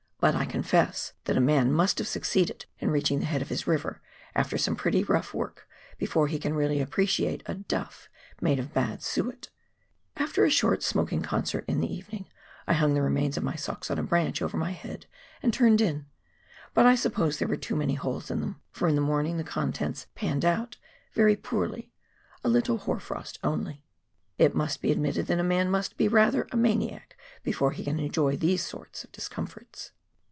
But I confess that a man must have succeeded in reaching the head of his river, after some pretty rough work, before he can really appreciate a " duff " made of bad suet ! After a short smoking concert in the evening, I hung the remains of my socks on a branch over my head and turned in, but I suppose there were too many holes in them, for in the morning the contents "panned out" very poorly — a little hoar frost only. It must be admitted that a man must be rather a maniac, before he can enjoy these sort of discomforts.